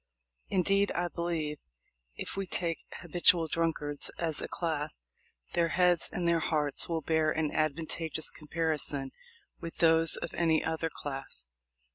Indeed, I believe, if we take habitual drunkards as a class, their heads and their hearts will bear an advantageous comparison with those of any other class."